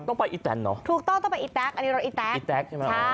ต้องไปอีแต๊กเหรออีแต๊กใช่มั้ยถูกต้องต้องไปอีแต๊กอันนี้รถอีแต๊ก